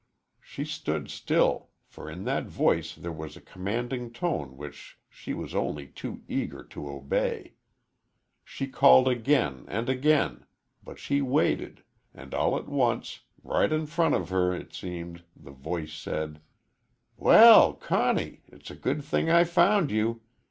She stood still, for in that voice there was a commanding tone which she was only too eager to obey. She called again and again, but she waited, and all at once, right in front of her it seemed, the voice said: "Well, Conny, it's a good thing I found you.